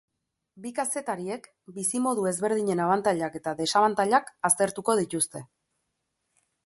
Bi kazetariek bizimodu ezberdinen abantailak eta desabantailak aztertuko dituzte.